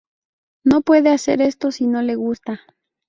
No puede hacer esto si no le gusta.